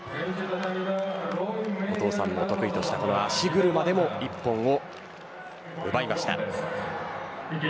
お父さんも得意としたこの足車でも一本を奪いました。